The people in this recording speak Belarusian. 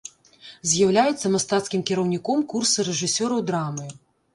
З'яўляецца мастацкім кіраўніком курса рэжысёраў драмы.